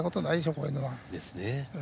こういうの。ですね。